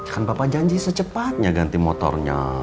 kan papa janji secepatnya ganti motornya